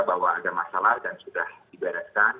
bahwa ada masalah dan sudah dibereskan